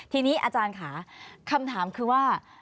ทีนี้อาจารย์ค่ะคำถามคือว่า